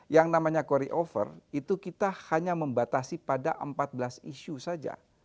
yang namanya carry over itu kita hanya membatasi pada empat belas isu saja